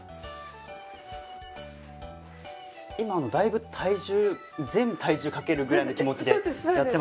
今あのだいぶ体重全体重かけるぐらいの気持ちでやってます。